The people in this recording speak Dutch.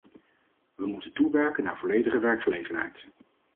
We moeten toewerken naar volledige werkgelegenheid.